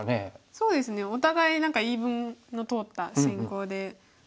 そうですねお互い何か言い分の通った進行で平和な。